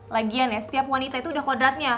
lagian ya setiap wanita itu udah kodratnya